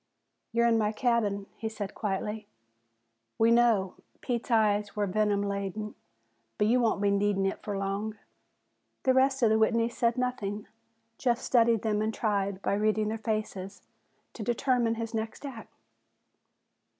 "You're in my cabin," he said quietly. "We knaow," Pete's eyes were venom laden, "but you won't be needin' it fer long." The rest of the Whitneys said nothing. Jeff studied them and tried, by reading their faces, to determine his next act.